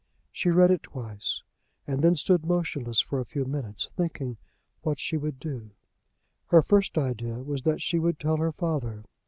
She read it twice, and then stood motionless for a few minutes thinking what she would do. Her first idea was that she would tell her father.